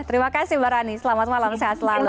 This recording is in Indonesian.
terima kasih mbak rani selamat malam sehat selalu